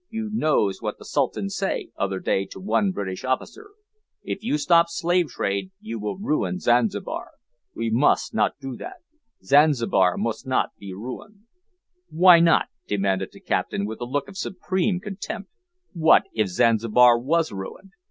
"You knows what the Sultan say, other day, to one British officer, `If you stop slave trade you will ruin Zanzibar.' We mus' not do that. Zanzibar mus' not be ruin." "Why not?" demanded the captain, with a look of supreme contempt, "what if Zanzibar was ruined?